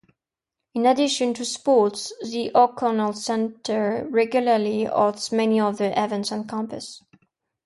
In addition to sports, the O'Connell Center regularly hosts many other events on campus.